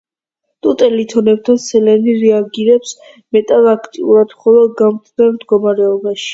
ტუტე ლითონებთან სელენი რეაგირებს მეტად აქტიურად მხოლოდ გამდნარ მდგომარეობაში.